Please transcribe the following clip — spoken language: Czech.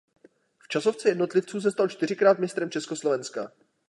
V časovce jednotlivců se stal čtyřikrát mistrem Československa.